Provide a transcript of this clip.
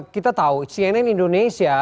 kita tahu cnn indonesia